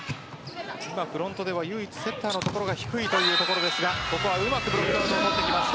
フロントでは唯一セッターの所が低いというところですがここはうまくブロックアウト取ってきました。